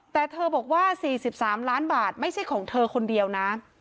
แต่เธอบอกว่า๔๓ล้านบาทไม่ใช่ของเธอคนเดียวนะ